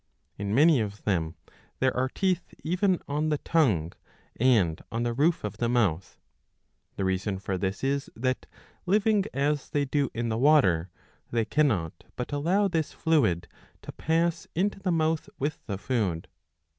In many of them there are teeth even on the tongue and on the roof of the mouth.^ The reason for this is that, living as they do in the water, they cannot but allow this fluid to pass into the mouth with the food.